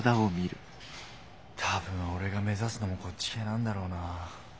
多分オレが目指すのもこっち系なんだろうな。